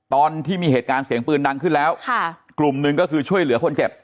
ตอนที่มีเหตุการณ์เสียงปืนดังขึ้นแล้วค่ะกลุ่มหนึ่งก็คือช่วยเหลือคนเจ็บ